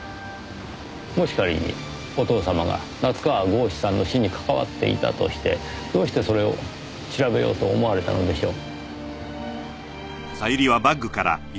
もし仮にお父様が夏河郷士さんの死に関わっていたとしてどうしてそれを調べようと思われたのでしょう？